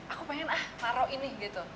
aku pengen ah naro ini gitu